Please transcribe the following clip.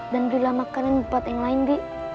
dan ambillah makanan buat yang lain di